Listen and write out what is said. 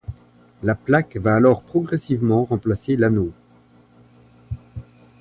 La plaque va alors progressivement remplacer l'anneau.